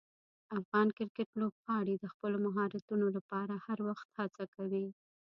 افغان کرکټ لوبغاړي د خپلو مهارتونو لپاره هر وخت هڅه کوي.